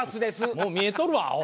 もう見えとるわアホ！